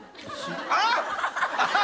あっ！